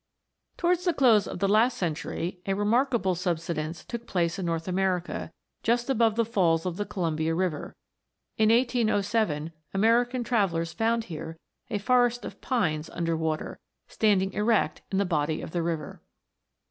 Towards the close of last century a remarkable subsidence took place in North America, just above the falls of the Columbia River. In 1807, American travellers found here a forest of pines under water, standing erect in the body of the river.